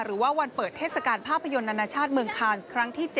หรือว่าวันเปิดเทศกาลภาพยนตร์นานาชาติเมืองคานครั้งที่๗